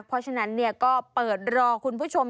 เพราะฉะนั้นก็เปิดรอคุณผู้ชม